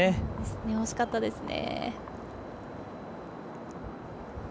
惜しかったですね。